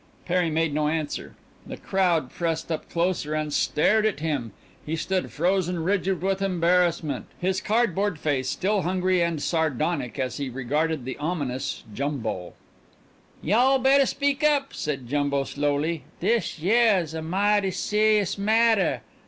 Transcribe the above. Perry made no answer. The crowd pressed up closer and stared at him. He stood frozen rigid with embarrassment, his cardboard face still hungry and sardonic as he regarded the ominous Jumbo. "Y'all bettah speak up!" said Jumbo slowly, "this yeah's a mighty serious mattah.